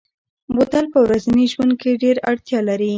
بوتل په ورځني ژوند کې ډېره اړتیا لري.